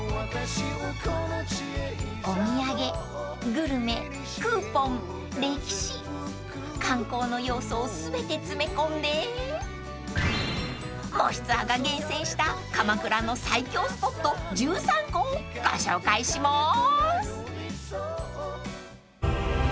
［お土産グルメクーポン歴史観光の要素を全て詰め込んで『もしツア』が厳選した鎌倉の最強スポット１３個をご紹介します］